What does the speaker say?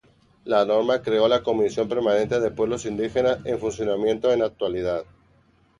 La norma creo la Comisión Permanente de Pueblos Indígenas en funcionamiento en la actualidad.